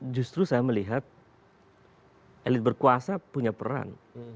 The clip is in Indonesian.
justru saya melihat elit berkuasa punya peran